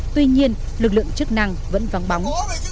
tuy nhiên lực lượng chức năng vẫn vắng bóng